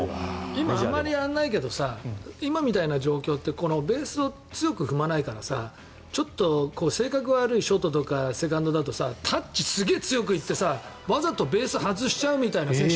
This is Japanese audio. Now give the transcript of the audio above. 今、あんまりやらないけどああいう状況ってベースを強く踏まないから性格悪いショートとかセカンドだとタッチすげえ強くいってわざとベースから外しちゃうみたいな選手